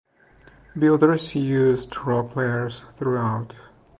Builders used rock layers throughout.